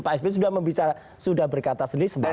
pak espin sudah berkata sendiri sebelumnya